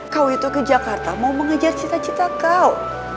kau itu ke jakarta mau mengejar cita cita kau